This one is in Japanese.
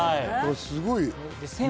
すごいよ。